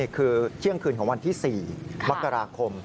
คือเที่ยงคืนของวันที่๔มกราคม